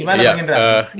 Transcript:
gimana mbak endah